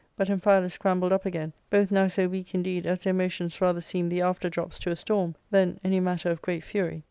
But Amphialus scrambled up again, both now so weak indeed as their motions rather seemed the after drops to a storm than any matter of great fury.